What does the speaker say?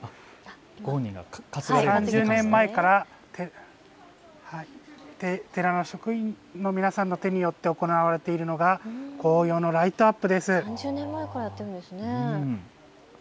３０年前から寺の職員の皆さんの手によって行われているのが紅葉のライトアップです。